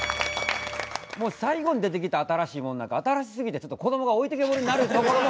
もう最後に出てきた新しいものなんか新しすぎてちょっとこどもが置いてきぼりになるところも。